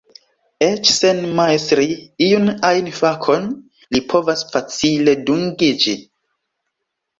Eĉ sen majstri iun ajn fakon li povas facile dungiĝi.